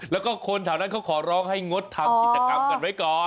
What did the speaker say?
แล้วก็คนแถวนั้นเขาขอร้องให้งดทำกิจกรรมกันไว้ก่อน